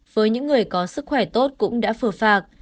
với những người có sức khỏe tốt cũng đã phừa phạt